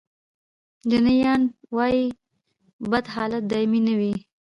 جیني یانګ وایي بد حالت دایمي نه دی.